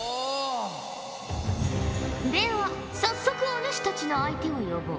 では早速お主たちの相手を呼ぼう。